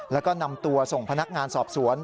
แล้วก็นำตัวส่งพนักงานสอบสวน